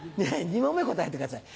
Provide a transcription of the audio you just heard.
２問目答えてください。